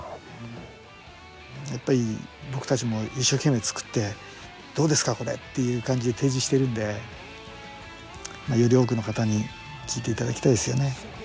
やっぱり僕たちも一生懸命作って「どうですか、これ」という感じで提示しているんでより多くの方に聴いていただきたいですよね。